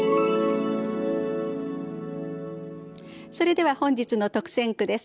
それでは本日の特選句です。